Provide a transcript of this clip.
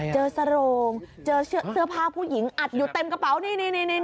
สโรงเจอเสื้อผ้าผู้หญิงอัดอยู่เต็มกระเป๋านี่